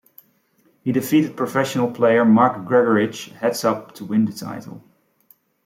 He defeated professional player Mark Gregorich heads-up to win the title.